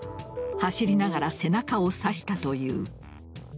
走りながら背中を刺したという。